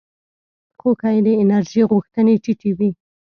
خو که د انرژۍ غوښتنې ټیټې وي